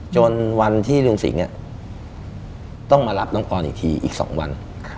จนวันที่ลุงสิงห์ต้องมารับน้องปอนอีกทีอีก๒วัน